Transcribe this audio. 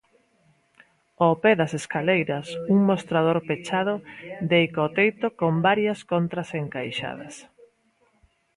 Ó pé das escaleiras un mostrador pechado deica o teito con varias contras encaixadas.